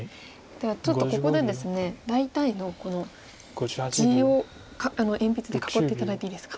ではちょっとここでですね大体の地を鉛筆で囲って頂いていいですか。